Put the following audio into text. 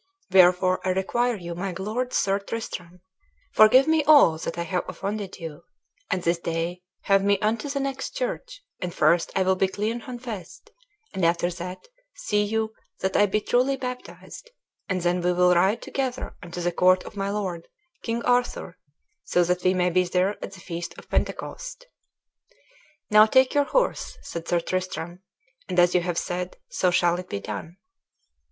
Wherefore I require you, my lord Sir Tristram, forgive me all that I have offended you, and this day have me unto the next church; and first I will be clean confessed, and after that see you that I be truly baptized, and then we will ride together unto the court of my lord, King Arthur, so that we may be there at the feast of Pentecost." "Now take your horse," said Sir Tristram, "and as you have said, so shall it be done."